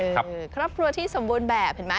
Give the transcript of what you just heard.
ครับครับครัวที่สมบูรณ์แบบเห็นมั้ย